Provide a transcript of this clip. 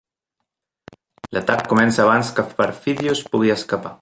L'atac comença abans que Perfidius pugui escapar.